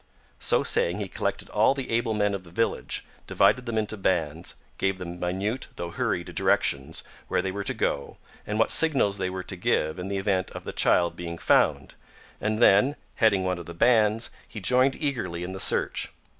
So saying he collected all the able men of the village, divided them into bands, gave them minute, though hurried, directions where they were to go, and what signals they were to give in the event of the child being found; and then, heading one of the bands, he joined eagerly in the search.